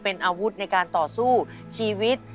เป็นอาวุธในการต่อสู้ชีวิต